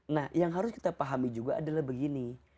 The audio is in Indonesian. nah yang harus kita pahami juga adalah begini